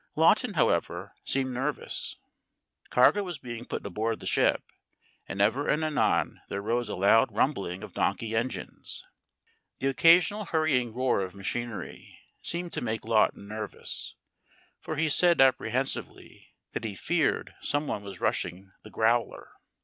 Lawton, however, seemed nervous. Cargo was being put aboard the ship, and ever and anon there rose a loud rumbling of donkey engines. The occasional hurrying roar of machinery seemed to make Lawton nervous, for he said apprehensively that he feared someone was rushing the growler.